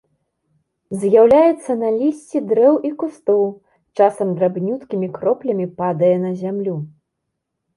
З'яўляецца на лісці дрэў і кустоў, часам драбнюткімі кроплямі падае на зямлю.